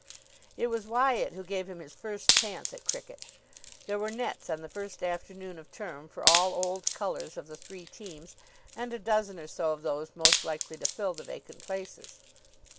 It was Wyatt who gave him his first chance at cricket. There were nets on the first afternoon of term for all old colours of the three teams and a dozen or so of those most likely to fill the vacant places.